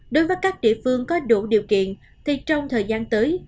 đối với các địa phương có đủ điều kiện thì trong thời gian tới